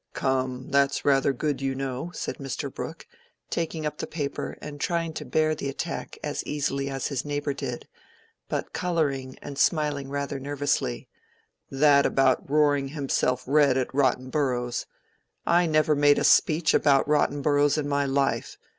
"Come, that's rather good, you know," said Mr. Brooke, taking up the paper and trying to bear the attack as easily as his neighbor did, but coloring and smiling rather nervously; "that about roaring himself red at rotten boroughs—I never made a speech about rotten boroughs in my life.